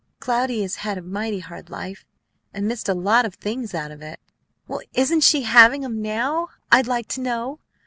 Cloudy has had a mighty hard life, and missed a lot of things out of it." "Well, isn't she having 'em now, I'd like to know?